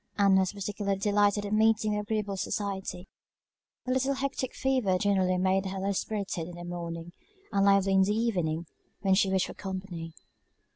Ann was particularly delighted at meeting with agreeable society; a little hectic fever generally made her low spirited in the morning, and lively in the evening, when she wished for company.